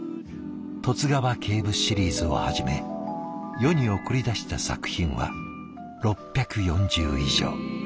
「十津川警部シリーズ」をはじめ世に送り出した作品は６４０以上。